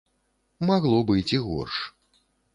Магло быць і горш.